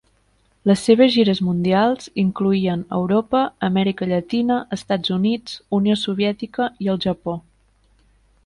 Les seves gires mundials incloïen Europa, Amèrica Llatina, Estats Units, Unió Soviètica i el Japó.